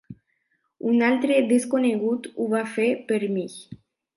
Un altre desconegut ho va fer per mi.